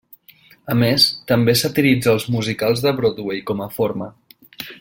A més, també satiritza els musicals de Broadway com a forma.